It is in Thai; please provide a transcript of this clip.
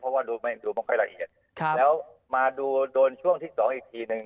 เพราะว่าดูไม่ดูไม่ค่อยละเอียดแล้วมาดูโดนช่วงที่สองอีกทีหนึ่ง